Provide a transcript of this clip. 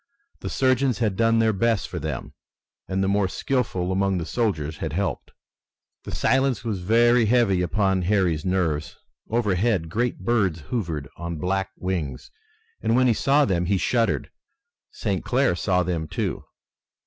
The surgeons had done their best for them and the more skillful among the soldiers had helped. The silence was very heavy upon Harry's nerves. Overhead great birds hovered on black wings, and when he saw them he shuddered. St. Clair saw them, too.